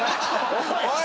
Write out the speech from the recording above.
おい！